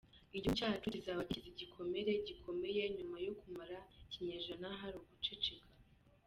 Igihugu cyacu kizaba gikize igikomere gikomeye, nyuma yo kumara ikinyejana hari uguceceka.